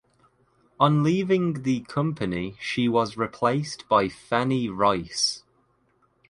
On leaving the company she was replaced by Fanny Rice.